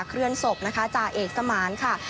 เคลื่อนศพจากเอกสมาร์นค่ะ